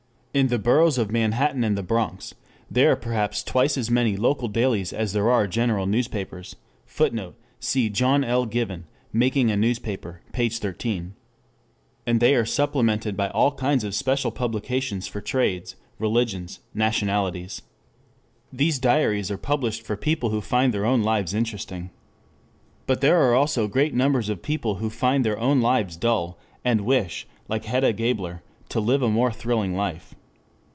In the boroughs of Manhattan and the Bronx there are perhaps twice as many local dailies as there are general newspapers. [Footnote: Cf. John L. Given, Making a Newspaper, p. 13.] And they are supplemented by all kinds of special publications for trades, religions, nationalities. These diaries are published for people who find their own lives interesting. But there are also great numbers of people who find their own lives dull, and wish, like Hedda Gabler, to live a more thrilling life.